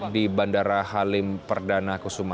di bandara halim perdana kusuma